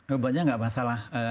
obatnya tidak masalah